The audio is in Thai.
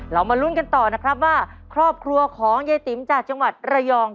มาลุ้นกันต่อนะครับว่าครอบครัวของยายติ๋มจากจังหวัดระยอง